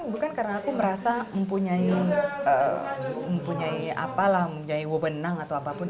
bukan karena aku merasa mempunyai mempunyai apalah mempunyai wobon nang atau apapun